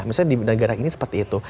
misalnya di negara ini seperti itu